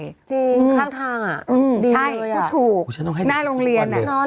อืมดีเลยอ่ะช้าเงินถังควันเลยอ่ะอื้อถูกถูกหน้าโรงเรียนโอ๊ย